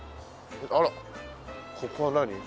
あらここは何？